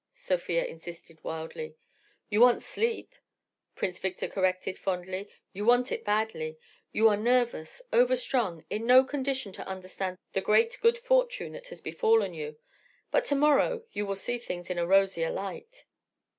Sofia insisted, wildly. "You want sleep," Prince Victor corrected, fondly—"you want it badly. You are nervous, overstrung, in no condition to understand the great good fortune that has befallen you. But to morrow you will see things in a rosier light."